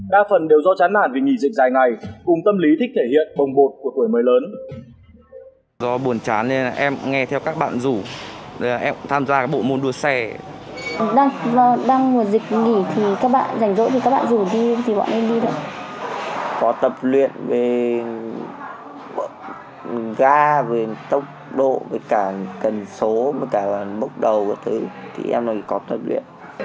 đa phần đều do chán nản vì nghỉ dịch dài ngày cùng tâm lý thích thể hiện bồng bột của tuổi mới lớn